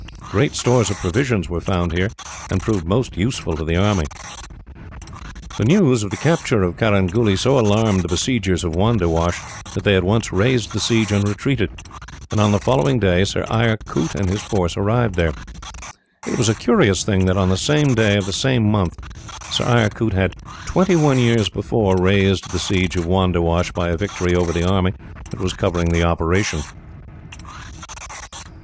Great stores of provisions were found here, and proved most useful to the army. "The news, of the capture of Carangooly, so alarmed the besiegers of Wandiwash that they at once raised the siege, and retreated; and, on the following day, Sir Eyre Coote and his force arrived there. It was a curious thing that, on the same day of the same month, Sir Eyre Coote had, twenty one years before, raised the siege of Wandiwash by a victory over the army that was covering the operation.